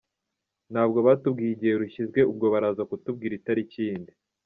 Ntabwo batubwiye igihe rushyizwe ubwo baraza kutubwira itariki yindi.